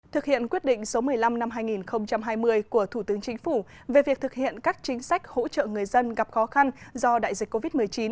thực hiện quyết định số một mươi năm năm hai nghìn hai mươi của thủ tướng chính phủ về việc thực hiện các chính sách hỗ trợ người dân gặp khó khăn do đại dịch covid một mươi chín